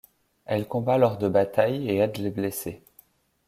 Elle combat lors de bataille et aide les blessés.